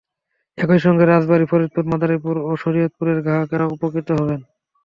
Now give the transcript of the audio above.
একই সঙ্গে রাজবাড়ী, ফরিদপুর, মাদারীপুর ও শরীয়তপুরের গ্রাহকেরাও উপকৃত হবেন।